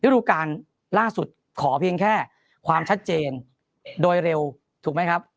ดูการล่าสุดขอเพียงแค่ความชัดเจนโดยเร็วถูกไหมครับ